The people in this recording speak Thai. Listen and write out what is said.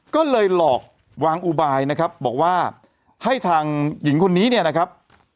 ก็เลยหลอกวางอุบายนะครับบอกว่าให้ทางหญิงคนนี้เนี่ยนะครับ